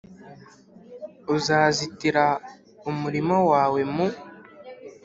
uzazitira umurima wawe mu